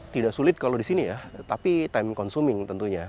tidak sulit kalau disini ya tapi time consuming tentunya